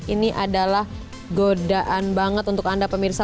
ini adalah godaan banget untuk anda pemirsa